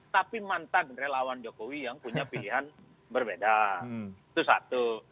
tapi mantan relawan jokowi yang punya pilihan berbeda itu satu